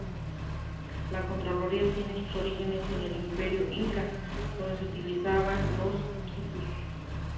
La Contraloría tiene sus orígenes en el Imperio inca, donde se utilizaban los quipus.